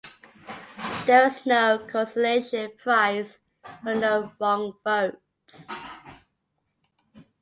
There was no consolation prize for no wrong votes.